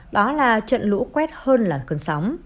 đó là trận lũ quét hơn là thật